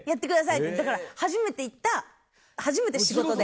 だから初めて行った初めて仕事で。